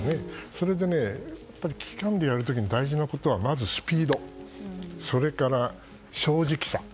それと危機管理において大事なことは、スピードそれから正直さ